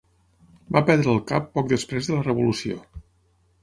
Va perdre el cap poc després de la Revolució.